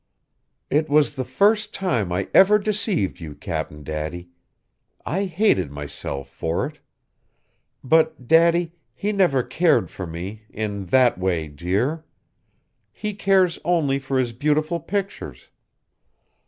"It was the first time I ever deceived you, Cap'n Daddy. I hated myself for it. But, Daddy, he never cared for me in that way, dear! He cares only for his beautiful pictures.